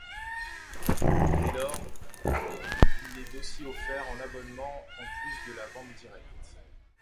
Dès lors, il est aussi offert en abonnement en plus de la vente directe.